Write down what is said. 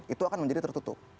itu akan menjadi tertutup